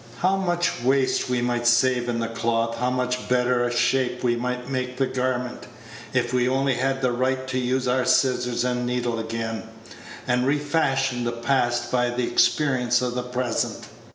How much waste we might save in the cloth, how much better a shape we might make the garment, if we only had the right to use our scissors and needle again, and refashion the past by the experience of the present.